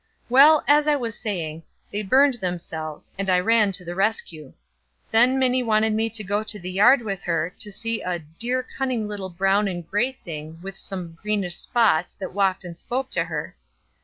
Well, as I was saying, they burned themselves, and I ran to the rescue. Then Minie wanted me to go to the yard with her, to see a 'dear cunning little brown and gray thing, with some greenish spots, that walked and spoke to her.'